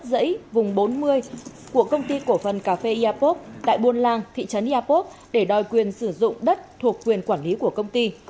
dãy vùng bốn mươi của công ty cổ phần cà phê iapop tại buôn lang thị trấn eapop để đòi quyền sử dụng đất thuộc quyền quản lý của công ty